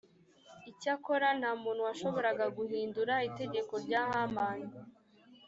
icyakora nta muntu washoboraga guhindura itegeko rya hamani